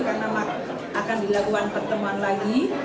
karena akan dilakukan pertemuan lagi